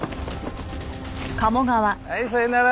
はいさよなら。